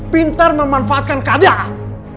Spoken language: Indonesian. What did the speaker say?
pintar memanfaatkan keadaan